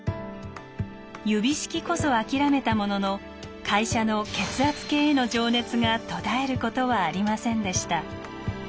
指式こそ諦めたものの会社の血圧計への情熱が途絶えることはありませんでした。